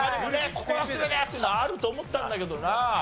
ここおすすめですっていうのあると思ったんだけどな。